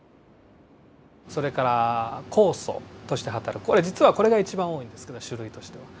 それから酵素として働く実はこれが一番多いんですけど種類としては。